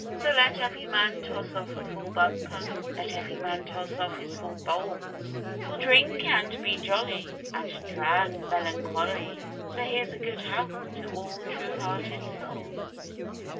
So let every man toss off a full bumper, Let every man toss off his full bowls; We'll drink and be jolly, and drown melancholy, So here's a good health to all true hearted souls!